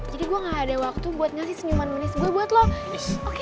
jadi gue gak ada waktu buat ngasih senyuman manis gue buat lo oke